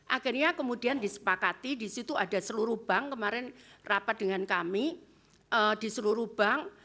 akhirnya kemudian disepakati di situ ada seluruh bank kemarin rapat dengan kami di seluruh bank